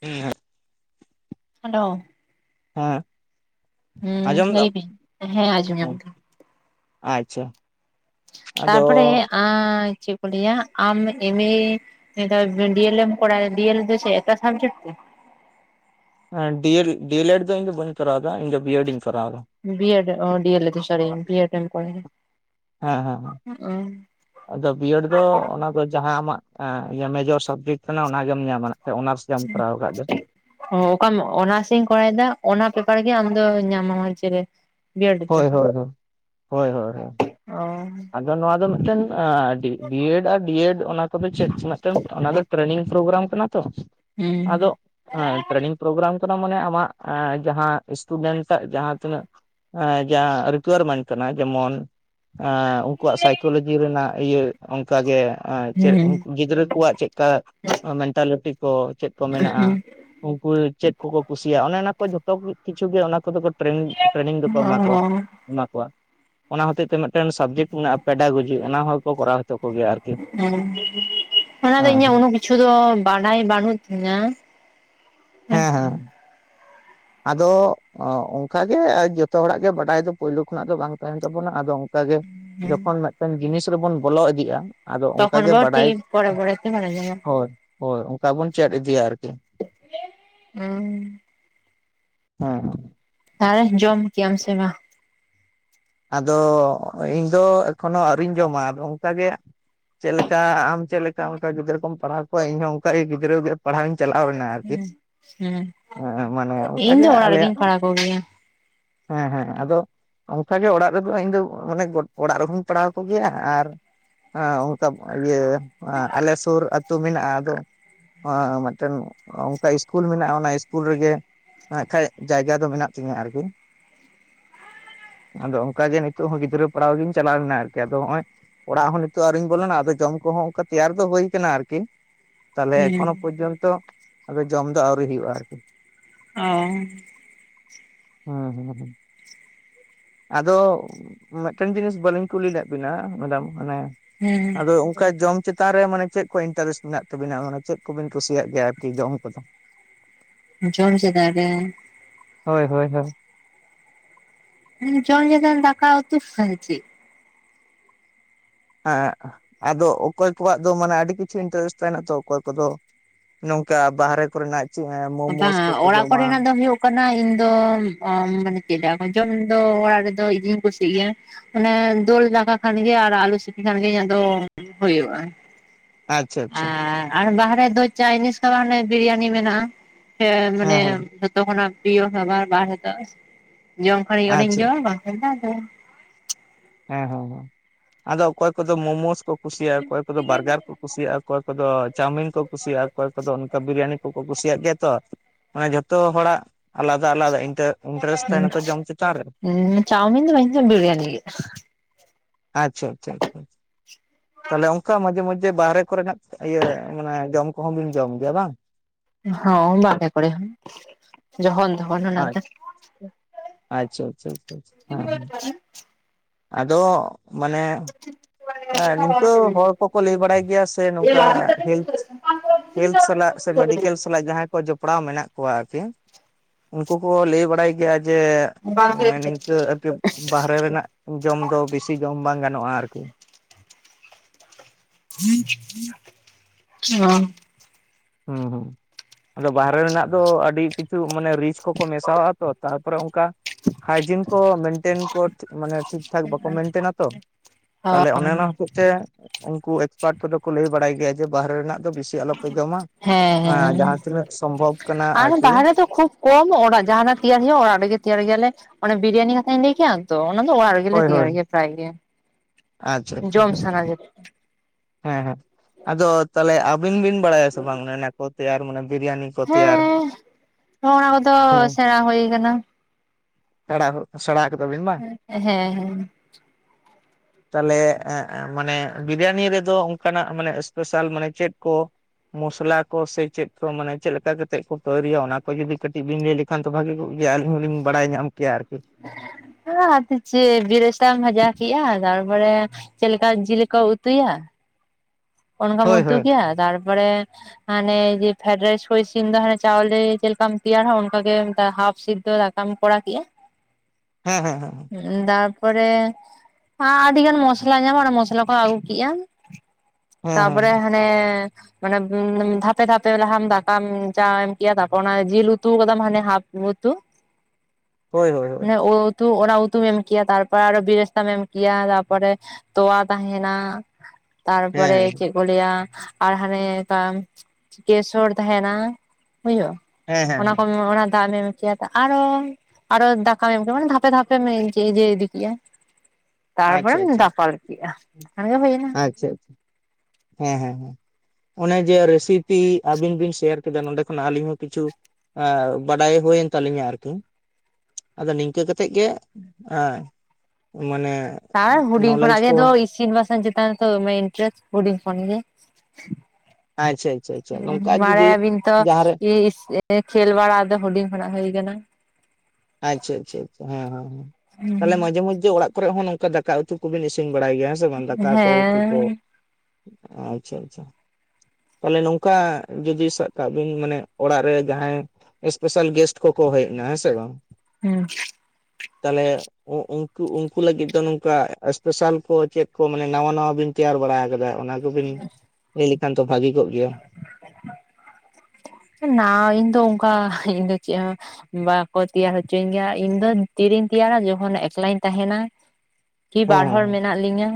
ᱦᱮᱸ ᱦᱮᱸ ᱾ ᱦᱮᱞᱳ ᱾ ᱦᱮᱸ ᱾ [inaudible] ᱦᱩᱸ ᱞᱟᱹᱭ ᱵᱤᱱ ᱦᱮᱸ ᱟᱡᱚᱢ ᱧᱟᱢ [unintelligible] ᱟᱪᱪᱷᱟ ᱾ ᱛᱟᱨᱯᱚᱨᱮ ᱟ ᱪᱮᱫ ᱠᱚ ᱞᱟᱹᱭᱟ ᱟᱢ ᱮᱢ ᱮ ᱰᱤᱭᱮᱞᱮᱰ ᱮᱢ ᱠᱚᱨᱟᱣ ᱰᱤᱭᱮᱞᱮᱰ ᱫᱚ ᱪᱮᱫ ᱮᱴᱟᱜ ᱥᱟᱵᱡᱮᱴ ᱛᱮ? ᱦᱮᱸ ᱰᱤ ᱰᱤᱭᱮᱞᱮᱰ ᱫᱚ ᱤᱧ ᱫᱚ ᱵᱟᱹᱧ ᱠᱚᱨᱟᱣ ᱮᱫᱟ ᱤᱧ ᱫᱚ ᱵᱤᱭᱮᱰᱤᱧ ᱠᱚᱨᱟᱣ ᱮᱫᱟ ᱾ ᱵᱤᱭᱮᱰ, ᱚ ᱰᱤᱭᱮᱞᱮᱰ ᱤᱧ ᱞᱟ. ᱭ ᱮᱫᱟ. ᱧ ᱥᱚᱨᱤ ᱵᱤᱭᱮᱰ ᱮᱢ ᱠᱚᱨᱟᱣ ᱮᱫᱟ ᱾ ᱦᱮᱸ ᱦᱮᱸ ᱦᱮᱸ ᱾ [inaudible] ᱟᱫᱚ ᱵᱤᱭᱮᱰ ᱫᱚ ᱚᱱᱟ ᱫᱚ ᱡᱟᱦᱟ ᱟᱢᱟᱜ ᱢᱮᱡᱚᱨ ᱥᱟᱵᱽᱡᱮᱴ ᱠᱟᱱᱟ ᱚᱱᱟ ᱜᱮᱢ ᱧᱟᱢᱟ ᱾ [inaudible] ᱚ ᱚᱠᱟ ᱚᱱᱟᱨᱥᱤᱧ ᱠᱚᱨᱟᱣᱮᱫᱟ ᱚᱱᱟ ᱯᱮᱯᱟᱨ ᱜᱮ ᱟᱢ ᱫᱚ ᱧᱟᱢ ᱟᱨ ᱪᱮᱫ ᱨᱮ ᱵᱤᱭᱮᱰ ᱛᱮ ᱦᱳᱭ ᱦᱳᱭ ᱦᱳᱭ ᱾ [inaudible] ᱦᱳᱭ ᱦᱳᱭ ᱦᱳᱭ ᱾ ᱚ ᱾ ᱟᱫᱚ ᱱᱚᱣᱟ ᱫᱚ ᱢᱤᱫᱴᱮᱱ ᱵᱤᱭᱮᱰ ᱟᱨ ᱰᱤᱭᱮᱰ ᱚᱱᱟ ᱠᱚᱫᱚ ᱪᱮᱫ ᱚᱱᱟ ᱫᱚ ᱴᱨᱮᱱᱤᱝ ᱯᱨᱳᱜᱨᱟᱢ ᱠᱟᱱᱟ ᱛᱚ ᱦᱩᱸ [inaudible] ᱟᱫᱚ ᱦᱮᱸ ᱴᱨᱮᱱᱤᱝ ᱯᱨᱳᱜᱨᱟᱢ ᱠᱟᱱᱟ ᱢᱟᱱᱮ ᱟᱢᱟᱜ ᱡᱟᱦᱟᱸ ᱤᱥᱴᱩᱰᱮᱱᱴᱟᱜ ᱡᱟᱦᱟᱸ ᱛᱤᱱᱟᱹᱜ ᱡᱟ ᱨᱤᱠᱣᱩᱨᱢᱮᱱᱴ ᱠᱟᱱᱟ ᱡᱮᱢᱚᱱ ᱮᱻ ᱩᱱᱠᱩᱣᱟᱜ ᱥᱟᱭᱠᱳᱞᱚᱡᱤ ᱨᱮᱱᱟᱜ ᱤᱭᱟᱹ ᱚᱱᱠᱟᱜᱮ ᱪᱮᱫ ᱦᱩᱸ ᱜᱤᱫᱽᱨᱟᱹ ᱠᱚᱣᱟᱜ ᱪᱮᱜᱠᱟ ᱢᱮᱱᱴᱟᱞᱤᱴᱤ ᱠᱚ ᱪᱮᱫ ᱠᱚ ᱢᱮᱱᱟᱜ-ᱟ ᱚ ᱦᱮᱸ ᱩᱱᱠᱩ ᱪᱮᱫ ᱠᱚᱠᱚ ᱠᱩᱥᱤᱭᱟᱜ-ᱟ, ᱚᱱᱮ ᱚᱱᱟ ᱠᱚ ᱡᱷᱚᱛᱚ ᱠᱤᱪᱷᱩ ᱜᱮ ᱚᱱᱟ ᱠᱚᱫᱚ ᱠᱚ ᱴᱨᱮᱱᱤᱝ ᱴᱨᱮᱱᱤᱝ ᱫᱚᱠᱚ ᱮᱢᱟ ᱠᱚᱣᱟ ᱮᱢᱟ ᱠᱚᱣᱟ ᱾ ᱚᱱᱟ ᱦᱚᱛᱮᱫ ᱛᱮ ᱢᱤᱫᱴᱮᱱ ᱥᱟᱵᱽᱡᱮᱴ ᱢᱮᱱᱟᱜ-ᱟ ᱯᱮᱰᱟ ᱜᱩᱡᱩ ᱚᱱᱟ ᱦᱚᱸᱠᱚ ᱠᱚᱨᱟᱣ ᱦᱚᱪᱚ ᱠᱚᱜᱮᱭᱟ ᱟᱨᱠᱤ ᱾ ᱦᱩᱸ ᱾ ᱚᱱᱟ ᱫᱚ ᱤᱧᱟᱹᱜ ᱩᱱᱟᱜ ᱠᱤᱪᱷᱩ ᱫᱚ ᱵᱟᱰᱟᱭ ᱵᱟᱹᱱᱩᱜ ᱛᱤᱧᱟ ᱾ [inaudible] ᱦᱮᱸ ᱦᱮᱸ ᱟᱫᱚ ᱚᱱᱠᱟᱜᱮ ᱡᱚᱛᱚ ᱦᱚᱲᱟᱜ ᱜᱮ ᱵᱟᱰᱟᱭ ᱫᱚ ᱯᱳᱭᱞᱳ ᱠᱷᱚᱱᱟᱜ ᱫᱚ ᱵᱟᱝ ᱛᱟᱦᱮᱱ ᱛᱟᱵᱚᱱᱟ ᱾ ᱟᱫᱚ ᱚᱱᱠᱟ ᱜᱮ ᱡᱚᱠᱷᱚᱱ ᱢᱤᱫᱴᱮᱱ ᱡᱤᱱᱤᱥ ᱨᱮᱵᱚᱱ ᱵᱚᱞᱚ ᱤᱫᱤᱜ-ᱟ ᱟᱫᱚ ᱚᱱᱠᱟ ᱛᱚᱠᱷᱚᱱ ᱜᱮ ᱵᱚ ᱵᱟᱰᱟᱭ ᱴᱷᱤᱠ ᱯᱚᱨᱮ ᱯᱚᱨᱮ ᱛᱮ ᱵᱟᱲᱟᱭ ᱧᱟᱢᱟ [inaudible] ᱦᱳᱭ ᱦᱳᱭ ᱚᱱᱠᱟ ᱵᱚᱱ ᱪᱮᱫ ᱤᱫᱤᱭᱟ ᱟᱨᱠᱤ ᱾ ᱦᱮᱸ, ᱦᱩᱸ ᱾ ᱦᱮᱸ᱾ ᱛᱟᱦᱚᱞᱮ ᱡᱚᱢ ᱠᱮᱭᱟᱢ ᱥᱮ ᱵᱟᱝ? ᱟᱫᱚ ᱤᱧ ᱫᱚ ᱮᱠᱷᱚᱱᱳ ᱟᱹᱣᱨᱤᱧ ᱡᱚᱢᱟ᱾ ᱟᱫᱚ ᱚᱱᱠᱟᱜᱮ ᱪᱮᱫ ᱞᱮᱠᱟ ᱟᱢ ᱪᱮᱫ ᱞᱮᱠᱟ ᱚᱱᱠᱟ ᱜᱤᱫᱽᱨᱟᱹ ᱠᱚᱢ ᱯᱟᱲᱦᱟᱣ ᱠᱚᱣᱟ ᱤᱧᱦ ᱚᱱᱠᱟ ᱜᱮ ᱜᱤᱫᱽᱨᱟᱹ ᱜᱮ ᱯᱟᱲᱦᱟᱣᱤᱧ ᱪᱟᱞᱟᱣ ᱞᱮᱱᱟ ᱟᱨᱠᱤ᱾ ᱦᱩᱸ ᱦᱮᱸ ᱢᱟᱱᱮ ᱤᱧ ᱚᱱᱠᱟᱜᱮ ᱫᱚ ᱚᱲᱟᱜ ᱟᱞᱮᱭᱟᱜ ᱨᱮᱜᱤᱧ ᱯᱟᱲᱟ ᱠᱚᱜᱮᱭᱟ᱾ ᱦᱮᱸ ᱦᱮᱸ ᱟᱫᱚ ᱚᱱᱠᱟᱜᱮ ᱚᱲᱟᱜ ᱨᱮᱫᱚ ᱤᱧᱫᱚ ᱢᱟᱱᱮ ᱜᱟᱴ ᱚᱲᱟᱜ ᱨᱮᱦᱚᱧ ᱯᱟᱲᱦᱟᱣ ᱠᱚᱜᱮᱭᱟ ᱟᱨ ᱟᱸ ᱚᱱᱠᱟ ᱤᱭᱟᱹ ᱟᱞᱮ ᱥᱩᱨ ᱟᱹᱛᱩ ᱢᱮᱱᱟᱜᱼᱟ ᱟᱫᱚ ᱟ ᱢᱤᱫᱴᱮᱱ ᱚᱱᱠᱟ ᱤᱥᱠᱩᱞ ᱢᱮᱱᱟᱜ-ᱟ, ᱚᱱᱟ ᱤᱥᱠᱩᱞ ᱨᱮᱜᱮ ᱦᱟᱸᱜᱠᱷᱟᱡ ᱡᱟᱭᱜᱟ ᱫᱚ ᱢᱮᱱᱟᱜ ᱛᱤᱧᱟ ᱟᱨᱠᱤ᱾ ᱟᱫᱚ ᱚᱱᱠᱟᱜᱮ ᱱᱤᱛᱚᱜ ᱦᱚᱸ ᱜᱤᱫᱽᱨᱟᱹ ᱯᱟᱲᱟᱣ ᱜᱤᱧ ᱪᱟᱞᱟᱣ ᱞᱮᱱᱟ ᱟᱨᱠᱤ ᱟᱫᱚ ᱦᱚᱜᱼᱚᱭ ᱚᱲᱟᱜ ᱦᱚᱸ ᱱᱤᱛᱚᱜ ᱟᱨᱚᱧ ᱵᱚᱞᱚᱱᱟ ᱟᱫᱚ ᱡᱚᱢ ᱠᱚᱦᱚᱸ ᱚᱱᱠᱟ ᱛᱮᱭᱟᱨ ᱫᱚ ᱦᱩᱭ ᱟᱠᱟᱱᱟ ᱟᱨᱠᱤ᱾ ᱛᱟᱞᱦᱮ ᱮᱠᱷᱚᱱᱳ ᱦᱩᱸ ᱯᱚᱨᱡᱚᱱᱛᱚ ᱟᱫᱚ ᱡᱚᱢ ᱫᱚ ᱟᱹᱣᱨᱤ ᱦᱩᱭᱩᱜᱼᱟ ᱟᱨᱠᱤ᱾ ᱚ᱾ ᱦᱩᱸ ᱦᱩᱸ ᱦᱩᱸ᱾ ᱟᱫᱚ ᱢᱤᱫᱴᱮᱱ ᱡᱤᱱᱤᱥ ᱵᱟᱹᱞᱤᱧ ᱠᱩᱞᱤ ᱞᱮᱫ ᱵᱤᱱᱟ ᱢᱮᱰᱟᱢ ᱦᱟᱱᱮ ᱦᱩᱸ ᱟᱫᱚ ᱚᱱᱠᱟ ᱡᱚᱢ ᱪᱮᱛᱟᱱ ᱨᱮ ᱢᱟᱱᱮ ᱪᱮᱫ ᱠᱚ ᱤᱱᱴᱟᱨᱮᱥᱴ ᱢᱮᱱᱟᱜ ᱛᱟᱵᱤᱱᱟ ᱢᱟᱱᱮ ᱪᱮᱫ ᱠᱚᱵᱤᱱ ᱠᱩᱥᱤᱭᱟᱜ ᱜᱮᱭᱟ ᱟᱨᱠᱤ ᱡᱟᱢ ᱠᱚᱫᱚ? ᱡᱟᱢ ᱪᱮᱛᱟᱱ ᱨᱮ? ᱦᱳᱭ ᱦᱳᱭ ᱦᱳᱭ᱾ ᱡᱚᱢ ᱪᱮᱛᱟᱱ ᱫᱟᱠᱟ ᱩᱛᱩ ᱟᱨ ᱪᱮᱫ᱾ ᱦᱮᱸᱜ ᱟᱫᱚ ᱚᱠᱚᱭ ᱠᱚᱣᱟᱜ ᱫᱚ ᱢᱟᱱᱮ ᱟᱹᱰᱤ ᱠᱤᱪᱷᱩ ᱤᱱᱴᱟᱨᱮᱥᱴ ᱛᱟᱦᱮᱱᱟ ᱛᱚ ᱚᱠᱚᱭ ᱠᱚᱫᱚ ᱱᱚᱝᱠᱟ ᱵᱟᱦᱨᱮ ᱠᱚᱨᱮᱱᱟᱜ ᱪᱮᱫ ᱢᱳᱢᱳᱥ ᱵᱟᱝ ᱠᱚᱠᱚ ᱚᱲᱟᱜ ᱡᱚᱢᱟ᱾ ᱠᱚᱨᱮᱱᱟᱜ ᱫᱚ ᱦᱩᱭᱩᱜ ᱠᱟᱱᱟ ᱤᱧ ᱫᱚ ᱚ ᱢᱟᱱᱮ ᱪᱮᱫ ᱞᱟᱹᱭᱟ ᱠᱚ ᱡᱚᱢ ᱫᱚ ᱚᱲᱟᱜ ᱨᱮᱫᱚ ᱤᱧᱤᱧ ᱠᱩᱥᱤᱭᱟᱜ ᱜᱮᱭᱟ ᱢᱟᱱᱮ ᱫᱳᱞ ᱫᱟᱠᱟ ᱠᱷᱟᱱᱜᱮ ᱟᱨ ᱟᱞᱩ ᱥᱤᱯᱤ ᱠᱷᱟᱱᱜᱮ ᱤᱧᱟᱜ ᱫᱚ ᱦᱩᱭᱩᱜᱼᱟ᱾ ᱟᱪᱪᱷᱟ ᱟᱪᱪᱷᱟ ᱟᱨ ᱟᱨ ᱵᱟᱦᱨᱮ ᱫᱚ ᱪᱟᱭᱱᱤᱥ ᱠᱷᱟᱵᱟᱨ ᱦᱟᱱᱮ ᱵᱤᱨᱭᱟᱱᱤ ᱢᱮᱱᱟᱜᱼᱟ᱾ ᱥᱮ ᱦᱮᱸ ᱢᱟᱱᱮ ᱦᱮᱸ ᱡᱷᱚᱛᱚ ᱠᱷᱚᱱᱟᱜ ᱯᱨᱤᱭᱚ ᱠᱷᱟᱵᱟᱨ ᱵᱟᱦᱨᱮ ᱫᱚ᱾ ᱡᱚᱢ ᱠᱷᱟᱱᱤᱧ ᱚᱟᱧ ᱟᱪᱪᱷᱟ ᱡᱚᱢᱟ ᱵᱟᱝ [unintelligible] ᱦᱮᱸ ᱦᱮᱸ ᱦᱮᱸ᱾ ᱟᱫᱚ ᱚᱠᱚᱭ ᱠᱚᱫᱚ ᱢᱳᱢᱳᱥ ᱠᱚ ᱠᱩᱥᱤᱭᱟᱜᱼᱟ, ᱚᱠᱚᱭ ᱠᱚᱫᱚ ᱵᱟᱨᱜᱟᱨ ᱠᱚ ᱠᱩᱥᱤᱭᱟᱜᱼᱟ ᱚᱠᱚᱭ ᱠᱚᱫᱚ ᱪᱟᱣᱢᱤᱱ ᱠᱚ ᱠᱩᱥᱤᱭᱟᱜᱼᱟ, ᱚᱠᱚᱚᱭ ᱠᱚᱫᱚ ᱚᱱᱠᱟ ᱵᱤᱨᱤᱭᱟᱱᱤ ᱠᱚ ᱠᱚ ᱠᱩᱥᱤᱭᱟᱜ ᱜᱮᱭᱟ ᱛᱚ ᱢᱟᱱᱮ ᱡᱷᱚᱛᱚ ᱦᱚᱲᱟᱜ ᱟᱞᱟᱫᱟ ᱟᱞᱟᱫᱟ ᱤᱱᱴᱟ ᱦᱮᱸ ᱩᱸ ᱪᱟᱣᱢᱤᱱ ᱫᱚ ᱵᱟᱧ ᱤᱧ ᱫᱚ ᱵᱤᱨᱨᱤᱭᱟᱱᱤ ᱜᱮ᱾ ᱟᱪᱪᱷᱟ ᱟᱪᱪᱷᱟ ᱟᱪᱪᱷᱟ᱾ ᱛᱟᱦᱞᱮ ᱚᱱᱠᱟ ᱢᱟᱡᱷᱮ ᱢᱚᱡ ᱡᱮ ᱵᱟᱨᱦᱨᱮ ᱠᱚᱨᱮᱱᱟᱜ ᱤᱭᱟᱹ ᱢᱟᱱᱮ ᱡᱚᱢ ᱠᱚᱦᱚᱸ ᱵᱤᱱ ᱡᱚᱢ ᱜᱮᱭᱟ ᱵᱟᱝ? ᱦᱚᱸ ᱵᱟᱦᱨᱮ ᱠᱚᱨᱮ ᱦᱚᱸ᱾ ᱡᱠᱷᱚᱱ ᱫᱚᱦᱚᱱ ᱚᱱᱟ ᱟᱪᱪᱷᱟ ᱫᱚ᱾ ᱟᱪᱪᱷᱟ ᱟᱪᱪᱷᱟ ᱟᱪᱪᱷᱟ ᱦᱮᱸ ᱦᱮᱸ ᱟᱫᱚ ᱢᱟᱱᱮ ᱪᱮᱫ? ᱮᱸ ᱱᱤᱱᱛᱟᱹᱣ ᱦᱚᱲ ᱠᱚᱠᱚ ᱵᱟᱲᱟᱭ ᱜᱮᱭᱟ ᱥᱮ ᱱᱚᱝᱠᱟ ᱦᱮᱞᱯ ᱦᱮᱞᱛᱷ ᱥᱟᱞᱟᱜ ᱥᱮ ᱢᱮᱰᱤᱠᱮᱞ ᱥᱟᱞᱟᱜ ᱡᱟᱦᱟᱸᱭ ᱠᱚ ᱡᱚᱯᱲᱟᱣ ᱢᱮᱱᱟᱜ ᱠᱚᱣᱟ ᱟᱨᱠᱤ᱾ ᱩᱱᱠᱩ ᱠᱚ ᱞᱟᱹᱭ ᱵᱟᱲᱟᱭ ᱜᱮᱭᱟ ᱡᱮ ᱢᱟᱱᱮ ᱱᱤᱝᱠᱟᱹ ᱟᱨᱠᱤ ᱵᱟᱦᱨᱮ ᱨᱮᱱᱟᱜ ᱡᱚᱢ ᱫᱚ ᱵᱮᱥᱤ ᱡᱚᱢ ᱵᱟᱝ ᱜᱟᱱᱚᱜ-ᱟ ᱟᱨᱠᱤ᱾ ᱚ᱾ ᱦᱩᱸ ᱦᱩᱸ ᱟᱫᱚ ᱵᱟᱦᱨᱮ ᱨᱮᱱᱟᱜ ᱫᱚ ᱟᱹᱰᱤ ᱠᱤᱪᱷᱩ ᱢᱟᱱᱮ ᱨᱤᱪ ᱠᱚᱠᱚ ᱢᱮᱥᱟᱣᱟᱜᱼᱟ ᱛᱚ ᱛᱟᱨᱯᱚᱨᱮ ᱚᱱᱠᱟ ᱦᱟᱭᱡᱤᱱ ᱠᱚ ᱢᱮᱱᱴᱮᱱ ᱠᱚ ᱢᱟᱱᱮ ᱴᱷᱤᱠ ᱴᱷᱟᱠ ᱵᱟᱠᱚ ᱢᱮᱱᱴᱮᱱᱟ ᱛᱚ ᱾ ᱦᱟᱸ ᱡᱮ ᱩᱱᱠᱩ ᱮᱠᱥᱯᱟᱨᱴ ᱠᱚᱫᱚ ᱠᱚ ᱞᱟᱹᱭ ᱵᱟᱲᱟᱭ ᱜᱮᱭᱟ ᱡᱮ ᱵᱟᱦᱨᱮ ᱨᱮᱱᱟᱜ ᱫᱚ ᱵᱤᱥᱤ ᱟᱞᱚᱯᱮ ᱡᱚᱢᱟ ᱾ ᱦᱮᱸ ᱦᱮᱸ ᱟᱨ ᱟᱨᱠᱤ ᱵᱟᱦᱟᱨᱮ ᱫᱚ ᱠᱷᱩᱵ ᱠᱚᱢ ᱚᱲᱟᱜ ᱡᱟᱦᱟᱱᱟᱜ ᱛᱮᱭᱟᱨ ᱦᱩᱭᱩᱜᱼᱟ ᱚᱲᱟᱜ ᱨᱮᱜᱮ ᱛᱮᱭᱟᱨ ᱜᱮᱭᱟᱞᱮ ᱚᱱᱮ ᱵᱤᱨᱤᱭᱟᱱᱤ ᱠᱟᱛᱷᱟᱧ ᱞᱟᱹᱭ ᱠᱮᱭᱟ ᱛᱚ ᱚᱱᱟ ᱫᱚ ᱚᱲᱟᱜ ᱨᱮᱜᱮᱞᱮ ᱦᱳᱭ ᱛᱮᱭᱟᱨ ᱦᱳᱭ ᱜᱮᱭᱟ ᱯᱨᱟᱭ ᱟᱪᱪᱷᱟ ᱜᱮ ᱟᱪᱪᱷᱟ ᱡᱚᱢ ᱥᱟᱱᱟ ᱡᱮ ᱦᱮᱸ ᱦᱮᱸ ᱟᱫᱚ ᱛᱟᱦᱚᱞᱮ ᱟᱵᱤᱱ ᱵᱤᱱ ᱵᱟᱲᱟᱭᱟ ᱥᱮ ᱵᱟᱝ ᱚᱱᱮ ᱚᱱᱟ ᱠᱚ ᱛᱮᱭᱟᱨ ᱢᱟᱱᱮ ᱵᱤᱨᱤᱭᱟᱱᱤ ᱠᱚ ᱛᱮᱭᱟᱨ ᱦᱮᱸ ᱚᱱᱟ ᱠᱚᱫᱚ ᱦᱮᱸ ᱾ ᱥᱮᱬᱟ ᱦᱩᱭ ᱠᱟᱱᱟ ᱥᱮᱬᱟ ᱠᱟᱫᱟ ᱵᱤᱱ ᱵᱟᱝ ᱦᱮᱸ ᱦᱮᱸ ᱛᱟᱦᱚᱞᱮ ᱮᱻᱮᱻ ᱢᱟᱱᱮ ᱵᱤᱨᱤᱭᱟᱱᱤ ᱨᱮᱫᱚ ᱚᱱᱠᱟᱱᱟᱜ ᱢᱟᱱᱮ ᱮᱥᱯᱮᱥᱟᱞ ᱢᱟᱱᱮ ᱪᱮᱫ ᱠᱚ ᱢᱚᱥᱞᱟ ᱠᱚ ᱥᱮ ᱪᱮᱫ ᱠᱚ ᱢᱟᱱᱮ ᱪᱮᱫ ᱞᱮᱠᱟ ᱠᱟᱛᱮᱫ ᱠᱚ ᱛᱚᱭᱨᱤᱭᱟ ᱚᱱᱟ ᱠᱚ ᱡᱩᱫᱤ ᱠᱟᱹᱴᱤᱡ ᱵᱤᱱ ᱞᱟᱹᱭ ᱮᱱᱠᱷᱟᱱ ᱫᱚ ᱵᱷᱟᱹᱜᱤ ᱠᱚᱜ ᱜᱮᱭᱟ ᱟᱹᱞᱤᱧ ᱦᱚᱸᱞᱤᱧ ᱵᱟᱲᱟᱭ ᱧᱟᱢ ᱠᱮᱭᱟ ᱟᱨᱠᱤ ᱾ ᱟᱫᱚ ᱪᱮᱫ ᱵᱤᱨᱮᱥᱟᱢ ᱵᱷᱟᱡᱟ ᱠᱮᱫᱼᱟ ᱾ ᱵᱚᱞᱮ ᱪᱮᱫ ᱞᱮᱠᱟ ᱡᱤᱞ ᱞᱮᱠᱟᱢ ᱩᱛᱩᱭᱟ᱾ ᱚᱱᱠᱟᱢ ᱦᱳᱭ ᱩᱛᱩ ᱦᱳᱭ ᱠᱮᱭᱟ ᱛᱟᱨᱯᱚᱨᱮ ᱦᱟᱱᱮ ᱡᱮ ᱯᱷᱨᱮᱰ ᱨᱟᱭᱤᱥ ᱠᱚ ᱤᱥᱤᱱ ᱫᱟ ᱦᱟᱱᱮ ᱪᱟᱣᱞᱮ ᱪᱮᱫ ᱞᱮᱠᱟᱢ ᱛᱮᱭᱟᱨᱟ ᱚᱱᱠᱟ ᱜᱮ ᱦᱟᱯ ᱥᱤᱫᱷᱚ ᱫᱟᱠᱟ ᱠᱟᱢ ᱠᱚᱲᱟ ᱠᱮᱜᱼᱟ ᱾ ᱦᱮᱸ ᱦᱮ ᱦᱮᱸ ᱛᱟᱨᱯᱚᱨᱮ ᱟᱹᱰᱤ ᱜᱟᱱ ᱢᱚᱥᱞᱟ ᱧᱟᱢᱟ ᱚᱱᱟ ᱢᱚᱥᱞᱟ ᱠᱚ ᱟᱹᱜᱩ ᱠᱮᱜᱼᱟ ᱾ ᱦᱮᱸ ᱛᱟᱯᱚᱨᱮ ᱦᱮᱸ ᱦᱟᱱᱮ ᱢᱟᱱᱮ ᱫᱷᱟᱯᱮ ᱫᱷᱟᱯᱮ ᱞᱟᱦᱟᱢ ᱫᱟᱠᱟᱢ ᱡᱟ ᱮᱢ ᱠᱮᱭᱟ ᱛᱟᱯᱚᱨ ᱚᱱᱟ ᱡᱤᱞ ᱩᱛᱩ ᱠᱟᱫᱟᱢ ᱦᱟᱱᱮ ᱦᱟᱯ ᱦᱳᱭ ᱦᱳᱭ ᱦᱳᱭ [unintelligible] ᱚᱱᱟ ᱩᱛᱩᱢ ᱮᱢ ᱠᱮᱭᱟ ᱛᱟᱨᱯᱚᱨ ᱟᱨᱚ ᱵᱤᱨᱮᱥᱛᱟᱢ ᱮᱢ ᱠᱤᱭᱟ ᱛᱟᱨᱯᱚᱨᱮ ᱛᱚᱣᱟ ᱛᱟᱦᱮᱱᱟ ᱛᱟᱨᱯᱚᱨᱮ ᱦᱮᱸ ᱪᱮᱫ ᱠᱚ ᱞᱮᱭᱟ ᱟᱨ ᱦᱟᱱᱮ ᱛᱟᱢ ᱠᱮᱥᱚᱨ ᱛᱟᱦᱮᱱᱟ ᱵᱩᱡᱷᱟᱹᱣ ᱦᱮᱸ ᱾ ᱦᱮᱸ ᱚᱱᱟ ᱦᱮᱸ ᱠᱚᱢ ᱮᱢᱟ ᱚᱱᱟ ᱫᱟᱜ ᱮᱢ ᱠᱤᱭᱟ ᱟᱨᱚ ᱟᱨᱚ ᱫᱟᱠᱟᱢ ᱮᱢ ᱠᱮᱭᱟ ᱢᱟᱱᱮ ᱫᱷᱟᱯᱮ ᱫᱷᱟᱯᱮᱢ ᱤᱭᱟᱹ ᱤᱫᱤ ᱠᱮᱭᱟ ᱾ ᱟᱪᱪᱷᱟ ᱛᱟᱨᱯᱚᱨᱮᱢ ᱟᱪᱪᱷᱟ ᱫᱟᱯᱟᱞ ᱠᱮᱜᱼᱟ ᱚᱱᱟᱜᱮ ᱦᱩᱭᱱᱟ ᱾ ᱟᱪᱪᱷᱟ ᱟᱪᱪᱷᱟ ᱦᱮᱸ ᱦᱮᱸ ᱦᱮᱸ ᱚᱱᱮ ᱡᱮ ᱨᱮᱥᱤᱯᱤ ᱟᱵᱤᱱ ᱵᱤᱱ ᱥᱮᱭᱟᱨ ᱠᱮᱫᱟ ᱱᱚᱰᱮ ᱠᱷᱚᱱᱟᱜ ᱟᱹᱞᱤᱧ ᱦᱚᱸ ᱠᱤᱪᱷᱩ ᱵᱟᱰᱟᱭ ᱦᱩᱭᱮᱱ ᱛᱟᱞᱤᱧᱟ ᱟᱨᱠᱤ ᱾ ᱟᱫᱚ ᱱᱤᱝᱠᱟᱹ ᱠᱟᱛᱮᱫ ᱜᱮ ᱦᱟ- ᱢᱟᱱᱮ ᱟᱨ ᱦᱩᱰᱤᱧ ᱱᱚᱞᱮᱡᱽ ᱠᱷᱚᱱᱟᱜ ᱜᱮ ᱠᱚ ᱫᱚ ᱤᱥᱤᱱ ᱵᱟᱥᱟᱝ ᱪᱮᱛᱟᱱ ᱨᱮ ᱛᱚ ᱫᱚᱢᱮ ᱤᱱᱴᱟᱨᱮᱥᱴ ᱦᱩᱰᱤᱧ ᱠᱷᱚᱱ ᱜᱮ ᱾ ᱟᱪᱪᱷᱟ ᱟᱪᱪᱷᱟ ᱟᱪᱪᱷᱟ ᱱᱚᱝᱠᱟ ᱡᱩᱫᱤ ᱵᱟᱲᱟᱭᱟᱵᱤᱱ ᱛᱚ ᱡᱟᱦᱟᱸᱨᱮ ᱤᱥ ᱮ ᱠᱷᱮᱞ ᱵᱟᱲᱟ ᱫᱚ ᱦᱩᱰᱤᱝ ᱠᱷᱚᱱᱟᱜ ᱦᱩᱭ ᱟᱠᱟᱱᱟ ᱾ ᱟᱪᱪᱷᱟ ᱟᱪᱷᱟ ᱦᱮᱸ ᱦᱮᱸᱦᱮᱸ ᱛᱟᱦᱚᱞᱮ ᱢᱟᱡᱷᱮ ᱢᱚᱫᱽᱷᱮ ᱚᱲᱟᱜ ᱚᱲᱟᱜ ᱠᱚᱨᱮ ᱦᱚᱸ ᱱᱚᱝᱠᱟ ᱫᱟᱠᱟ ᱩᱛᱩ ᱠᱚᱵᱤᱱ ᱤᱥᱤᱱ ᱵᱟᱲᱟᱭ ᱜᱮᱭᱟ ᱦᱮᱸ ᱥᱮ ᱵᱟᱝ ᱫᱟᱠᱟ ᱠᱚ ᱩᱛᱩ ᱠᱚ ᱦᱮᱸ ᱾ ᱟᱪᱪᱷᱟ ᱟᱪᱪᱷᱟ ᱾ ᱛᱟᱦᱚᱞᱮ ᱱᱚᱝᱠᱟ ᱡᱩᱫᱤ ᱥᱟᱵ ᱠᱟᱜ ᱵᱤᱱ ᱢᱟᱱᱮ ᱚᱲᱟᱜ ᱨᱮ ᱡᱟᱦᱟᱸᱭ ᱥᱯᱮᱥᱟᱞ ᱜᱮᱥᱴ ᱠᱚᱠᱚ ᱦᱮᱡ ᱮᱱᱟ ᱦᱮᱸ ᱥᱮ ᱵᱟᱝ ᱦᱮᱸ ᱛᱟᱦᱚᱞᱮ ᱩᱱᱠᱩ ᱩᱱᱠᱩ ᱞᱟᱹᱜᱤᱫ ᱫᱚ ᱱᱚᱝᱠᱟ ᱮᱥᱯᱮᱥᱟᱞ ᱠᱚ ᱪᱮᱫ ᱠᱚ ᱢᱟᱱᱮ ᱱᱟᱣᱟ ᱱᱟᱣᱟ ᱵᱤᱱ ᱛᱮᱭᱟᱨ ᱵᱟᱲᱟ ᱟᱠᱟᱫᱟ ᱚᱱᱟ ᱠᱚᱵᱤᱱ ᱞᱟᱹᱭ ᱞᱮᱠᱷᱟᱱ ᱛᱚ ᱵᱷᱟᱹᱜᱤ ᱠᱚᱜ ᱜᱮᱭᱟ ᱾ ᱱᱟ ᱤᱧ ᱫᱚ ᱚᱝᱠᱟ ᱤᱧ ᱫᱚ ᱪᱮ ᱦᱚᱸ ᱵᱟᱠᱚ ᱛᱮᱭᱟᱨ ᱦᱚᱪᱚᱧ ᱜᱮᱭᱟ ᱤᱧ ᱫᱚ ᱛᱤᱨᱮᱧ ᱛᱮᱭᱟᱨᱟ ᱡᱚᱠᱷᱚᱱ ᱮᱠᱞᱟᱧ ᱛᱟᱦᱮᱱᱟ ᱾ ᱠᱤ ᱦᱮᱸ ᱵᱟᱨ ᱦᱮᱸ ᱦᱚᱲᱚᱲ ᱢᱮᱱᱟᱜ ᱞᱤᱧᱟᱹ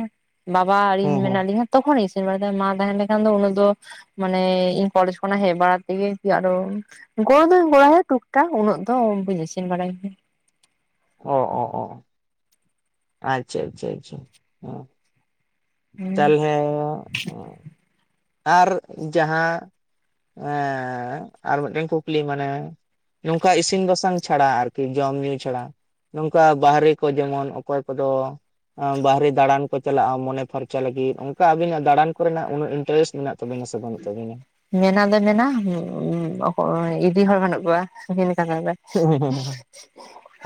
ᱵᱟᱵᱟ ᱟᱨ ᱤᱧ ᱦᱮᱸ ᱦᱮᱸ ᱢᱮᱱᱟᱜ ᱞᱤᱧᱟᱹ ᱾ ᱛᱚᱠᱷᱚᱱ ᱤᱥᱤᱱ ᱵᱟᱲᱟ ᱫᱚ ᱢᱟ ᱛᱟᱦᱮᱸ ᱞᱮᱠᱷᱟᱱ ᱫᱚ ᱩᱱᱤ ᱫᱚ ᱢᱟᱱᱮ ᱤᱧ ᱠᱚᱞᱮᱡᱡᱽ ᱠᱷᱚᱱᱟᱜ ᱦᱮᱡ ᱵᱟᱲᱟ ᱛᱮᱜᱮ ᱛᱤ ᱟᱨᱚ ᱜᱚᱲᱚ ᱫᱚᱧ ᱜᱚᱲᱟᱭᱟ ᱴᱩᱠ ᱴᱟᱠ ᱩᱱᱟᱹᱜ ᱫᱚ ᱵᱟᱹᱧ ᱤᱥᱤᱱ ᱵᱟᱲᱟᱭ ᱜᱮ ᱾ ᱚ ᱚ ᱚ ᱟᱪᱪᱷᱟ ᱟᱪᱪᱷᱟ ᱟᱪᱪᱷᱟ ᱚ ᱾ ᱜᱮᱭᱟ ᱪᱟᱞ ᱦᱮᱸ ᱟᱨ ᱡᱟᱦᱟᱸ ᱮᱸᱻ ᱟᱨ ᱢᱤᱫᱴᱮᱱ ᱠᱩᱠᱞᱤ ᱢᱟᱱᱮ ᱱᱚᱝᱠᱟ ᱤᱥᱤᱱ ᱵᱟᱥᱟᱝ ᱪᱷᱟᱲᱟ ᱟᱨᱠᱤ ᱡᱚᱢ ᱧᱩ ᱪᱷᱟᱲᱟ ᱱᱚᱝᱠᱟ ᱵᱟᱦᱨᱮ ᱠᱚ ᱡᱮᱢᱚᱱ ᱚᱠᱚᱭ ᱠᱚᱫᱚ ᱵᱟᱨᱦᱮ ᱫᱟᱬᱟᱱ ᱠᱚ ᱪᱟᱞᱟᱜᱼᱟ ᱢᱚᱱᱮ ᱯᱷᱟᱨᱪᱟ ᱞᱟᱹᱜᱤᱫ ᱚᱝᱠᱟ ᱟᱵᱤᱱᱟᱜ ᱫᱟᱬᱟᱱ ᱠᱚᱨᱮᱱᱟᱜ ᱩᱱᱟᱹᱜ ᱤᱱᱴᱟᱨᱮᱥᱴ ᱢᱮᱱᱟᱜ ᱛᱟᱹᱵᱤᱱᱟ ᱥᱮ ᱵᱟᱹᱱᱩᱜ ᱛᱟᱵᱤᱱᱟ? ᱢᱮᱱᱟ ᱫᱚ ᱢᱮᱱᱟ [unintelligible] ᱚᱠᱚᱭ ᱤᱫᱤ ᱦᱚᱲ ᱵᱟᱹᱱᱩᱜ ᱠᱚᱣᱟ [unintelligible] ᱦᱮᱸ ᱦᱮᱸ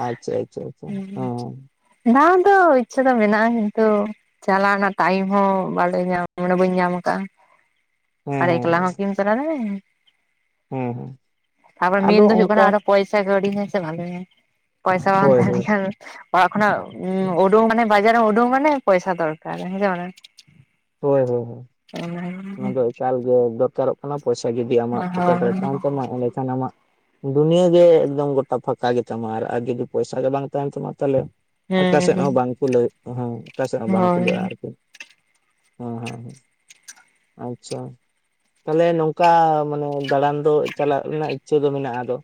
ᱟᱪᱪᱷᱟ ᱟᱪᱪᱷᱟ [inaudible] ᱫᱟᱱ ᱫᱚ ᱤᱪᱪᱷᱟᱹ ᱫᱚ ᱢᱮᱱᱟᱜᱼᱟ ᱠᱤᱱᱛᱩ ᱪᱟᱞᱟ ᱱᱟᱜ ᱴᱟᱭᱤᱢ ᱦᱚᱸ ᱵᱟᱞ ᱧᱟᱢ ᱢᱟᱱᱮ ᱵᱟᱹᱧ ᱧᱟᱢ ᱠᱟᱜᱼᱟ ᱾ ᱦᱮᱸ ᱟᱨ ᱦᱮᱸ ᱦᱮᱸ ᱮᱠᱞᱟ ᱦᱮᱸ ᱦᱚᱸᱠᱤᱢ ᱛᱟᱨᱮ ᱫᱟᱲᱮ ᱦᱮᱸ ᱦᱮᱸ ᱛᱟᱯᱚᱨ ᱟᱫᱚ ᱢᱮᱱ ᱫᱚ ᱦᱩᱭᱩᱜ ᱠᱟᱱᱟ ᱚᱱᱠᱟ ᱟᱨᱚ ᱯᱚᱭᱥᱟ ᱠᱟᱹᱣᱰᱤ ᱦᱮᱸᱥᱮ ᱵᱷᱟᱜᱮ ᱯᱚᱭᱥᱟ ᱵᱟᱝ ᱦᱳᱭ ᱛᱟᱦᱮ ᱦᱳᱭ ᱞᱮᱱᱠᱷᱟᱱ ᱚᱲᱟᱜ ᱠᱷᱚᱱᱟᱜ ᱩᱰᱳ ᱢᱟᱱᱮ ᱵᱟᱡᱟᱨ ᱨᱮ ᱩᱰᱳ ᱢᱟᱱᱮ ᱯᱚᱭᱥᱟ ᱫᱚᱨᱠᱟᱨ ᱦᱮᱸᱥᱮ ᱢᱟᱱᱟ ᱾ ᱦᱳᱭ ᱦᱳᱭ ᱚᱱᱟ ᱫᱚ ᱮᱠᱟᱞ ᱜᱮ ᱫᱚᱨᱠᱟᱨᱚᱜ ᱾ ᱠᱟᱱᱟ ᱯᱚᱭᱥᱟ ᱡᱩᱫᱤ ᱟᱢᱟᱜ ᱯᱚᱠᱮᱴ ᱨᱮ ᱦᱳᱭ ᱛᱟᱦᱮᱱ ᱛᱟᱢᱟ ᱮᱸᱰᱮ ᱪᱷᱟᱱᱟ ᱢᱟᱜ ᱾ ᱫᱩᱱᱤᱭᱟᱹ ᱜᱮ ᱮᱠᱫᱚᱢ ᱜᱚᱴᱟ ᱯᱷᱟᱸᱠᱟ ᱜᱮᱛᱟᱢᱟ ᱟᱨ ᱟᱨ ᱡᱩᱫᱤ ᱯᱚᱭᱥᱟ ᱜᱮ ᱵᱟᱝ ᱛᱟᱦᱮᱱ ᱛᱟᱢᱟ ᱛᱟᱞᱦᱮ ᱚᱠᱟᱥᱮᱜ ᱦᱮᱸ ᱦᱚᱸ ᱵᱟᱝᱠᱚ ᱞᱟᱹᱭ ᱦᱚᱸ ᱚᱠᱟᱥᱮᱫ ᱦᱚᱸ ᱵᱟᱝᱠᱚ ᱦᱳᱭ ᱞᱟᱹᱭᱼᱟ ᱟᱨᱠᱤ ᱾ ᱦᱚᱸ ᱦᱚᱸ ᱟᱪᱪᱷᱟ ᱾ ᱛᱟᱦᱞᱮ ᱱᱚᱝᱠᱟ ᱢᱟᱱᱮ ᱫᱟᱬᱟᱱ ᱫᱚ ᱪᱟᱞᱟᱜ ᱨᱮᱱᱟᱜ ᱤᱪᱪᱷᱟᱹ ᱫᱚ ᱢᱮᱱᱟᱜᱼᱟ ᱟᱫᱚ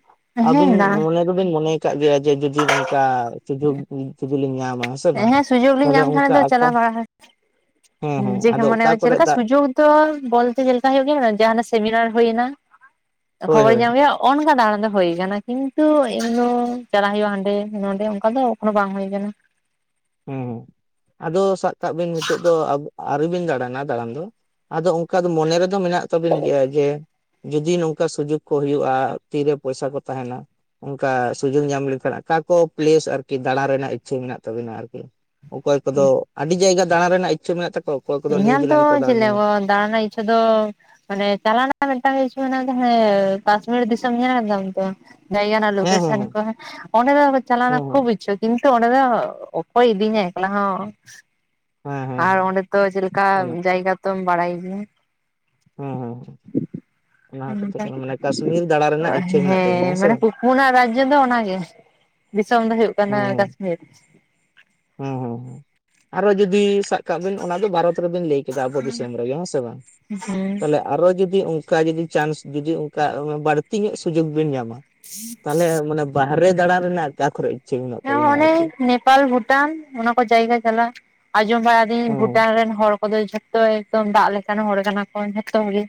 ᱟᱹᱵᱤᱱ ᱦᱮᱸ ᱫᱟ ᱢᱚᱱᱮ ᱫᱚᱵᱤᱱ ᱠᱟᱜ ᱜᱮᱭᱟ ᱡᱮ ᱡᱤᱫᱤ ᱚᱱᱠᱟ ᱥᱩᱡᱳᱜ ᱡᱩᱫᱤ ᱞᱤᱧ ᱧᱟᱢᱟ ᱦᱮᱸ ᱥᱮ ᱵᱟᱝ ᱛᱚᱞᱦᱮ ᱚᱝᱠᱟ [inaudible] ᱠᱟᱦᱟᱛ [inaudible] ᱡᱮ ᱢᱚᱱᱮ ᱦᱚᱸ ᱪᱮᱜ ᱠᱚᱨᱮ ᱞᱮᱠᱟ ᱫᱟᱜ ᱥᱩᱡᱳᱠ ᱛᱚ ᱵᱚᱞᱛᱮ ᱪᱮᱞᱠᱟ ᱦᱳᱭᱳᱜ ᱜᱮᱭᱟ ᱡᱟᱦᱱᱟᱜ ᱥᱮᱢᱤᱱᱟᱨ ᱦᱳᱭᱱᱟ ᱦᱳᱭ ᱠᱷᱚᱵᱚᱨ ᱦᱳᱭ ᱦᱮᱸ ᱧᱟᱢᱭᱚᱜ ᱾ ᱚᱱᱠᱟᱱᱟ ᱚᱱᱟ ᱫᱚ ᱦᱩᱭ ᱠᱟᱱᱟ ᱠᱤᱱᱛᱩ ᱮᱢ ᱫᱚ ᱪᱟᱞᱟᱜ ᱦᱩᱭᱩᱜᱼᱟ ᱦᱟᱸᱰᱮ ᱱᱚᱰᱮ ᱚᱱᱠᱟ ᱫᱚ ᱮᱠᱚᱱᱚ ᱵᱟᱝ ᱦᱩᱭ ᱠᱟᱱᱟ ᱾ ᱦᱩᱸ ᱦᱩᱸ ᱟᱫᱚ ᱥᱟᱵ ᱠᱟᱜ ᱱᱤᱛᱚᱜ ᱫᱚ ᱟᱵ ᱟᱹᱣᱨᱤ ᱵᱤᱱ ᱫᱟᱬᱟᱱᱟ ᱫᱟᱬᱟᱱ ᱫᱚ ᱾ ᱟᱫᱚ ᱚᱱᱠᱟ ᱫᱚ ᱢᱚᱱᱮ ᱨᱮᱫᱚ ᱢᱮᱱᱟᱜ ᱛᱟᱵᱤᱱ ᱜᱮᱭᱟ ᱡᱮ ᱡᱩᱫᱤ ᱱᱚᱝᱠᱟ ᱥᱩᱡᱳᱠ ᱠᱚ ᱦᱩᱭᱩᱜᱼᱟ ᱛᱤᱨᱮ ᱯᱚᱭᱥᱟ ᱛᱟᱦᱮᱱᱟ ᱾ ᱚᱱᱠᱟ ᱥᱩᱡᱳᱜ ᱧᱟᱢ ᱞᱮᱱᱠᱷᱟᱱ ᱟᱠᱟ ᱠᱚ ᱯᱞᱮᱥ ᱟᱨᱠᱤ ᱫᱟᱬᱟ ᱨᱮᱱᱟᱜ ᱤᱪᱪᱷᱟᱹ ᱢᱮᱱᱟᱜ ᱛᱟᱵᱤᱱᱟ ᱾ ᱠᱤ ᱚᱠᱚᱭ ᱠᱚᱫᱚ ᱟᱹᱰᱤ ᱡᱟᱭᱜᱟ ᱫᱟᱬᱟ ᱨᱮᱱᱟᱜ ᱤᱪᱪᱷᱟᱹ ᱢᱮᱱᱟᱜ ᱛᱟᱠ ᱤᱧᱟᱱ ᱫᱚ ᱪᱮᱜ ᱞᱮᱠᱚ ᱫᱟᱬᱟ ᱨᱮᱱᱟᱜ ᱤᱪᱪᱷᱟᱹ ᱫᱚ ᱢᱟᱱᱮ ᱪᱟᱞᱟᱣᱱᱟ ᱢᱤᱫᱴᱟᱝ ᱜᱮ ᱤᱪᱪᱷᱟᱹ ᱢᱮᱱᱟᱜ ᱫᱚ ᱦᱟᱱᱮ ᱠᱟᱥᱢᱤᱨ ᱫᱤᱥᱚᱢ ᱧᱮᱞ ᱛᱟᱢ ᱛᱚ ᱾ ᱡᱟᱭᱜᱟ ᱱᱟᱜ ᱞᱚᱠᱮᱥᱟᱱ ᱠᱚ ᱦᱮᱸ ᱚᱸᱰᱮ ᱫᱚ ᱪᱟᱞᱟᱱᱟ ᱠᱷᱩᱵ ᱦᱮᱸ ᱤᱪᱷᱟᱩᱠ ᱾ ᱠᱤᱱᱛᱩ ᱚᱸᱰᱮ ᱫᱚ ᱚᱠᱚᱭ ᱤᱫᱤᱧᱟ ᱮᱠᱞᱟ ᱦᱚᱸ ᱦᱮᱸ ᱦᱮᱸ ᱟᱨ ᱦᱮᱸ ᱚᱸᱰᱮ ᱛᱚ ᱪᱮᱜ ᱞᱮᱠᱟ ᱚᱱᱟ ᱡᱟᱭᱜᱟ ᱛᱚᱢ ᱵᱟᱲᱟᱭ ᱜᱮᱭᱟ ᱦᱮᱸ ᱦᱮᱸ ᱦᱮᱸ ᱚᱱᱟ ᱾ ᱠᱟᱛᱷᱟ ᱠᱟᱱᱟ ᱢᱟᱱᱮ ᱠᱟᱥᱢᱤᱨ ᱫᱟᱬᱟ ᱨᱮᱱᱟᱜ ᱤᱪᱪᱷᱟᱹ [inaudible] ᱢᱮᱱᱟᱜ ᱛᱟᱵᱤᱱᱟ ᱦᱮᱸ ᱥᱮ ᱢᱟᱱᱮ ᱵᱟᱝ ᱯᱩᱱᱟ ᱨᱟᱡᱽᱡᱚ ᱫᱚ ᱚᱱᱟᱜᱮ ᱫᱤᱥᱚᱢ ᱫᱚ ᱦᱩᱭᱩᱜ ᱠᱟᱱᱟ ᱠᱟᱥᱢᱤᱨ ᱾ ᱦᱩᱸ ᱦᱩᱸ ᱦᱩᱸ ᱟᱨᱚ ᱡᱩᱫᱤ ᱥᱟᱠ ᱠᱟᱜ ᱵᱤᱱ ᱚᱱᱟ ᱫᱚ ᱵᱷᱟᱨᱚᱛ ᱨᱮᱵᱤᱱ ᱞᱮᱭ ᱠᱮᱫᱟ ᱟᱵᱚ ᱵᱤᱥᱚᱢ ᱨᱮᱜᱮ ᱦᱮᱸ ᱥᱮ ᱵᱟᱝ ᱦᱩᱸ ᱛᱟᱞᱮᱜ ᱟᱨᱚ ᱡᱩᱫᱤ ᱩᱝᱠᱟ ᱡᱩᱫᱤ ᱪᱟᱱᱥ ᱡᱩᱫᱤ ᱩᱝᱠᱟ ᱵᱟᱹᱲᱛᱤ ᱧᱚᱜ ᱥᱩᱡᱳᱜ ᱵᱮᱤᱱ ᱧᱟᱢᱟ ᱾ ᱛᱟᱦᱚᱞᱮ ᱢᱟᱱᱮ ᱵᱟᱦᱨᱮ ᱫᱟᱬᱟᱱ ᱨᱮᱱᱟᱜ [unintelligible] ᱦᱮᱸ ᱛᱟᱵᱤᱱᱟ ᱚᱱᱮ ᱟᱨᱠᱤ ᱱᱮᱯᱟᱞ, ᱵᱷᱩᱴᱟᱱ ᱚᱱᱟ ᱠᱚ ᱡᱟᱭᱜᱟ ᱪᱟᱞᱟᱜ᱾ ᱟᱸᱡᱚᱢ ᱵᱟᱲᱟ ᱫᱤᱧ ᱦᱮᱸ ᱵᱷᱩᱴᱟᱱ ᱨᱮᱱ ᱦᱚᱲ ᱠᱚᱫᱚ ᱡᱷᱚᱛᱚ ᱮᱠᱫᱚᱢ ᱫᱟᱜ ᱞᱮᱠᱟᱱ ᱦᱚᱲ ᱠᱟᱱᱟ ᱠᱚ ᱡᱷᱚᱛᱚ ᱜᱮ᱾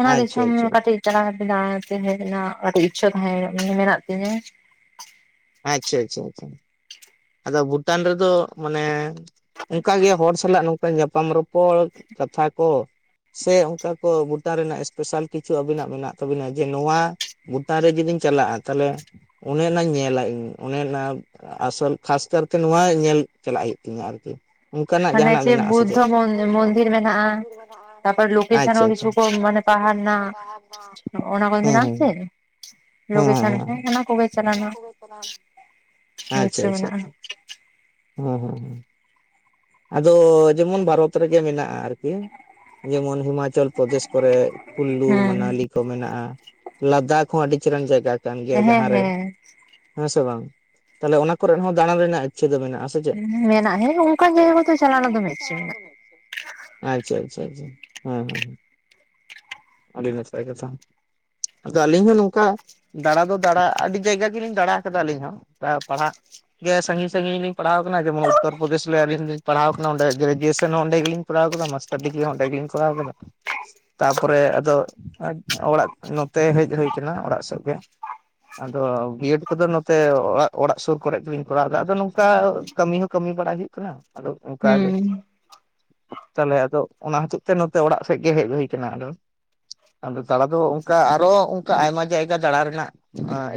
ᱚᱱᱟ ᱟᱪᱪᱷᱟ ᱫᱤᱥᱚᱢ ᱟᱪᱪᱷᱟ ᱠᱟᱹᱴᱤᱡ ᱪᱟᱞᱟᱣ ᱠᱟᱛᱮ ᱫᱟᱬᱟ ᱠᱟᱛᱤᱧ ᱦᱮᱡ ᱱᱟ ᱟᱹᱰᱤ ᱤᱪᱪᱷᱟᱹ ᱛᱟᱦᱮᱸᱭ ᱢᱟᱱᱮ ᱢᱮᱱᱟᱜ ᱛᱤᱧᱟᱹ᱾ ᱟᱪᱪᱷᱟ ᱟᱪᱷᱟ ᱟᱪᱪᱷᱟ, ᱟᱫᱚ ᱵᱷᱩᱴᱟᱱ ᱨᱮᱫᱚ ᱢᱟᱱᱮ ᱚᱱᱠᱟ ᱜᱮ ᱦᱚᱲ ᱥᱟᱞᱟᱜ ᱱᱚᱝᱠᱟ ᱧᱟᱯᱟᱢ ᱨᱚᱯ- ᱯᱚᱲ ᱠᱟᱛᱷᱟ ᱠᱚ᱾ ᱥᱮ ᱚᱱᱠᱟ ᱠᱚ ᱵᱷᱩᱴᱟᱱ ᱨᱮᱱᱟᱜ ᱮᱥ-ᱯᱮᱥᱟᱞ ᱠᱤᱪᱷᱩ ᱟᱵᱤᱱᱟᱜ ᱢᱮᱱᱟᱜ ᱛᱟᱵᱤᱱᱟ, ᱡᱮ ᱱᱚᱣᱟ ᱵᱷᱩᱴᱟᱱ ᱨᱮ ᱡᱩᱫᱤᱧ ᱪᱟᱞᱟᱜ-ᱟ, ᱛᱟᱦᱚᱞᱮ ᱚᱱᱮ ᱚᱱᱟᱧ ᱧᱮᱞᱟ ᱤᱧ ᱚᱱᱮ ᱚᱱᱟ ᱟᱥᱚᱞ ᱠᱷᱟᱥ ᱠᱟᱨᱛᱮ ᱱᱚᱣᱟ ᱧᱮᱞ ᱪᱟᱞᱟᱜ ᱦᱩᱭᱩᱜ ᱛᱤᱧᱟᱹ ᱟᱨᱠᱤ᱾ [inaudible] ᱚᱱᱠᱟ ᱱᱟᱜ ᱦᱟᱱᱮ ᱡᱟᱦᱟᱸ ᱱᱟᱜ ᱢᱮᱱᱟᱜ-ᱟ ᱥᱮ ᱪᱮᱫ ᱵᱩᱫᱽᱫᱷᱚ ᱢᱚᱱᱫᱤᱨ ᱢᱮᱱᱟᱜᱼᱟ ᱛᱟᱯᱚᱨ ᱞᱳᱠᱮᱥᱚᱱ ᱟᱪᱪᱷᱟ ᱦᱚᱸ ᱟᱪᱪᱷᱟ [inaudible] ᱠᱤᱪᱷᱩ ᱠᱚ ᱢᱟᱱᱮ ᱯᱟᱦᱟᱲ ᱨᱮᱱᱟᱜ ᱚᱱᱟ ᱠᱚ [unintelligible] ᱦᱩᱸ ᱢᱮᱱᱟᱜᱼᱟ ᱦᱩᱸ, ᱥᱮ ᱦᱮᱸ ᱦᱮᱸ ᱞᱳᱠᱮᱥᱚᱱ ᱦᱮᱸ, ᱠᱚ ᱚᱱᱟ ᱠᱚᱜᱮ ᱪᱟᱞᱟᱣ ᱨᱮᱱᱟᱜ [unintelligible] ᱟᱪᱪᱷᱟ ᱤᱪᱪᱷᱟᱹ ᱟᱪᱪᱷᱟ, ᱢᱮᱱᱟᱜᱼᱟ ᱦᱩᱸ ᱦᱩᱸ ᱦᱩᱸ ᱟᱫᱚ ᱡᱮᱢᱚᱱ ᱵᱷᱟᱨᱚᱛ ᱨᱮᱜᱮ ᱢᱮᱱᱟᱜ-ᱟ ᱟᱨ- ᱠᱤ ᱡᱮᱢᱚᱱ ᱦᱤᱢᱟᱪᱚᱞ ᱯᱨᱚᱫᱮᱥ ᱠᱚᱨᱮ ᱠᱷᱩᱞᱞᱩ, ᱦᱮᱸ ᱢᱟᱱᱟᱞᱤ ᱠᱚ ᱢᱮᱱᱟᱜ-ᱟ ᱞᱟᱫᱟᱠᱷ ᱦᱚᱸ ᱟᱰᱤ ᱪᱮᱦᱨᱟᱱ ᱡᱟᱭᱜᱟ ᱠᱟᱱ ᱜᱮᱭᱟ᱾ ᱦᱮᱸ ᱡᱟᱦᱟᱸ ᱨᱮ ᱦᱮᱸ ᱦᱮᱸ ᱥᱮ ᱵᱟᱝ ᱛᱟᱦᱞᱮ ᱚᱱᱟ ᱠᱚᱨᱮᱫ ᱦᱚᱸ ᱫᱟᱬᱟᱱ ᱨᱮᱱᱟᱜ ᱤᱪᱪᱷᱟᱹ ᱫᱚ ᱢᱮᱱᱟᱜ-ᱟ ᱥᱮ ᱪᱮᱫ ᱢᱮᱱᱟᱜ-ᱟ ᱦᱮᱸ ᱚᱱᱠᱟᱱ ᱡᱟᱭᱜᱟ ᱠᱚᱛᱚ ᱪᱟᱞᱟᱣᱱᱟ ᱫᱚᱢᱮ ᱤᱪᱪᱷᱟᱹ ᱢᱮᱱᱟᱜ-ᱟ᱾ ᱟᱪᱪᱷᱟ ᱟᱪᱪᱷᱟ ᱟᱪᱪᱷᱟ ᱦᱮᱸ ᱦᱮᱸ, ᱟᱹᱰᱤ ᱱᱟᱯᱟᱭ ᱠᱟᱛᱷᱟ᱾ ᱟᱫᱚ ᱟᱹᱞᱤᱧ ᱦᱚᱸ ᱱᱚᱝᱠᱟ ᱫᱟᱬᱟ ᱫᱚ ᱫᱟᱬᱟ ᱟᱹᱰᱤ ᱡᱟᱭᱜᱟ ᱜᱮᱞᱤᱧ ᱫᱟᱬᱟ ᱠᱟᱫᱟ ᱟᱹᱞᱤᱧ ᱦᱚᱸ ᱯᱟᱲᱦᱟᱜ ᱜᱮ ᱥᱟᱺᱜᱤᱧ ᱥᱟᱺᱜᱤᱧ ᱞᱤᱧ ᱯᱟᱲᱟᱣ ᱟᱠᱟᱱᱟ ᱡᱮᱢᱚᱱ ᱩᱛᱛᱚᱨ ᱯᱨᱚᱫᱮᱥ ᱨᱮ ᱟᱹᱞᱤᱧ ᱞᱤᱧ ᱯᱟᱲᱦᱟᱣ ᱠᱟᱱᱟ ᱚᱸᱰᱮ ᱜᱨᱮᱡᱩᱭᱮᱥᱚᱱ ᱦᱚᱸ ᱚᱸᱰᱮ ᱜᱮᱞᱤᱧ ᱠᱚᱨᱟᱣ ᱠᱟᱫᱟ, ᱢᱟᱥᱴᱟᱨ ᱰᱤᱜᱽᱨᱤ ᱦᱚᱸ ᱚᱸᱰᱮ ᱜᱮᱞᱤᱧ ᱠᱚᱨᱟᱣ ᱟᱠᱟᱫᱟ᱾ ᱛᱟᱯᱚᱨᱮ ᱟᱫᱚ ᱚᱲᱟᱜ ᱱᱚᱛᱮ ᱦᱮᱡ ᱦᱩᱭ ᱠᱟᱱᱟ ᱚᱲᱟᱜ ᱥᱮᱫ ᱜᱮ᱾ ᱟᱫᱚ ᱵᱤᱭᱮᱰ ᱠᱚᱫᱚ ᱱᱚᱛᱮ ᱚᱲᱟᱜ ᱚᱲᱟᱜ ᱥᱩᱨ ᱠᱚᱨᱮᱜ ᱜᱮᱞᱤᱧ ᱠᱚᱨᱟᱣᱫᱟ ᱟᱫᱚ ᱱᱚᱝᱠᱟ ᱠᱟᱹᱢᱤ ᱦᱚᱸ ᱠᱟᱹᱢᱤ ᱵᱟᱲᱟ ᱜᱮ᱾ ᱠᱟᱱᱟ ᱟᱫᱚ ᱚᱱᱠᱟ ᱜᱮ᱾ ᱦᱩᱸ ᱛᱟᱦᱞᱮ ᱟᱫᱚ ᱚᱱᱟ ᱦᱚᱛᱮᱜ ᱛᱮ ᱱᱚᱛᱮ ᱚᱲᱟᱜ ᱥᱮᱫ ᱜᱮ ᱦᱮᱡ ᱦᱩᱭ ᱠᱟᱱᱟ, ᱟᱫᱚ ᱟᱫᱚ ᱫᱟᱬᱟ ᱫᱚ ᱚᱱᱠᱟ ᱟᱨᱚ ᱚᱱᱠᱟ ᱟᱭᱢᱟ ᱡᱟᱭᱜᱟ ᱫᱟᱬᱟ ᱨᱮᱱᱟᱜ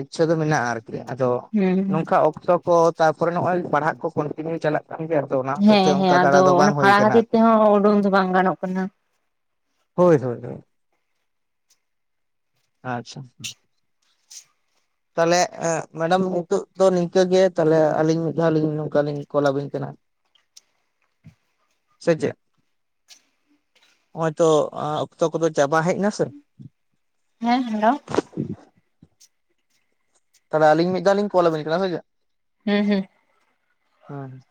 ᱤᱪᱪᱷᱟᱹ ᱫᱚ ᱢᱮᱱᱟᱜ-ᱟ ᱟᱨᱠᱤ᱾ ᱟᱫᱚ ᱦᱩᱸ ᱱᱚᱝᱠᱟ ᱚᱠᱛᱚ ᱠᱚ ᱛᱟᱨᱯᱚᱨᱮ ᱱᱚᱜ-ᱚᱭ ᱯᱟᱲᱦᱟᱜ ᱠᱚ ᱠᱚᱱᱴᱤᱱᱤᱭᱩ ᱪᱟᱞᱟᱜ ᱠᱟᱱ ᱜᱮᱭᱟ, ᱟᱨ ᱦᱮᱸ ᱦᱮᱸ ᱟᱫᱚ ᱚᱱᱟ ᱯᱷᱟᱲᱟ ᱠᱷᱟᱹᱛᱤᱨ ᱛᱮᱦᱚᱸ ᱩᱰᱩᱝ ᱫᱚ ᱵᱟᱝ ᱜᱟᱱᱚᱜ ᱠᱟᱱᱟ᱾ ᱦᱳᱭ ᱦᱳᱭ ᱦᱳᱭ, ᱟᱪᱪᱷᱟ, ᱛᱟᱦᱞᱮ ᱢᱮᱰᱟᱢ ᱱᱤᱛᱚᱜ ᱫᱚ ᱱᱤᱝᱠᱟᱹ ᱜᱮ ᱛᱟᱦᱚᱞᱮ ᱟᱹᱞᱤᱧ ᱢᱤᱫ ᱫᱷᱟᱣ ᱞᱤᱧ ᱱᱚᱝᱠᱟ ᱞᱤᱧ ᱠᱚᱞ ᱟᱵᱤᱱ ᱠᱟᱱᱟ᱾ [inaudible] ᱥᱮ ᱪᱮᱫ? ᱱᱚᱜ-ᱚᱭ ᱛᱚ ᱚᱠᱛᱚ ᱠᱚᱫᱚ ᱪᱟᱵᱟ ᱦᱮᱡ ᱱᱟ ᱥᱮ᱾ ᱦᱮᱸ ᱦᱮᱞᱳ, ᱛᱟᱦᱞᱮ ᱟᱞᱤᱧ ᱢᱤᱫ ᱫᱷᱟᱣ ᱞᱤᱧ ᱠᱚᱞ ᱟᱵᱤᱱ ᱠᱟᱱᱟ ᱦᱚᱭ ᱥᱮ᱾ ᱦᱩᱸ ᱦᱩᱸ ᱦᱮᱸ